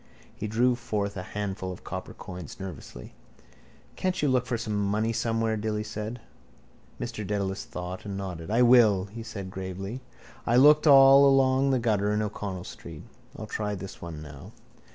He drew forth a handful of copper coins, nervously. —Can't you look for some money somewhere? Dilly said. Mr Dedalus thought and nodded. —I will, he said gravely. I looked all along the gutter in O'Connell street. I'll try this one now.